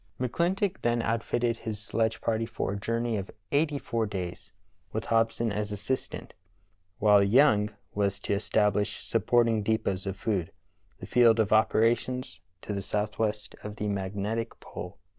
McClintock then outfitted his sledge party for a jour ney of eighty four days, with Hobson as assistant, while Young was to establish supporting depots of food, the field of operations to be southwest of the magnetic pole.